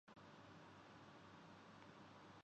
Mrs Jurgen نے اِنکار کِیا